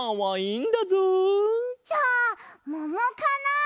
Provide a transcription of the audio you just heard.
じゃあももかな？